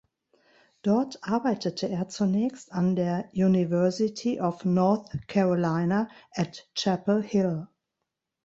Dort arbeitete er zunächst an der University of North Carolina at Chapel Hill.